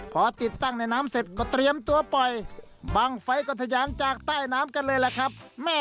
พอติดตั้งในน้ำเสร็จก็เตรียมตัวปล่อยบางไฟก็ทะยานจากใต้น้ำกันเลยล่ะครับ